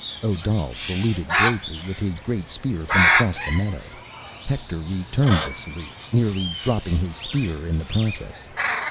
Odal saluted gravely with his great spear from across the meadow. Hector returned the salute, nearly dropping his spear in the process.